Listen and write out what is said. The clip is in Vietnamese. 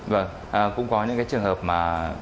vâng cũng có những cái trường hợp mà